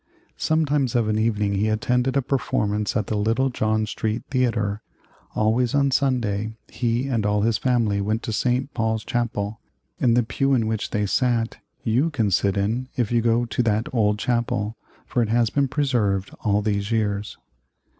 Sometimes of an evening he attended a performance at the little John Street Theatre. Always on Sunday he and all his family went to St. Paul's Chapel. And the pew in which they sat you can sit in if you go to that old chapel, for it has been preserved all these years.